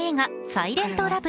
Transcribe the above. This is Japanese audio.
「サイレントラブ」